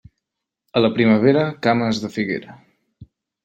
A la primavera, cames de figuera.